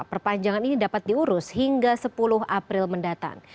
perpanjangan ini dapat diurus hingga sepuluh april mendatang